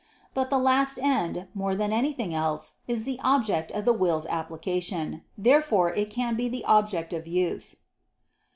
But the last end, more than anything else, is the object of the will's application. Therefore it can be the object of use.